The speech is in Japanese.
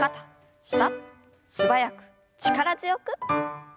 素早く力強く。